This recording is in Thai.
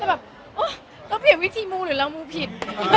เฮ้้ยต้อนเผยวิธีมั่วหรือลองมูผิด